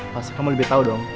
pasti kamu lebih tahu dong